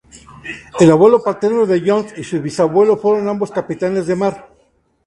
El abuelo paterno de Jones y su bisabuelo fueron ambos capitanes de mar.